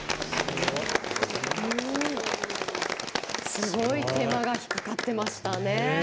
すごい手間がかかってましたね。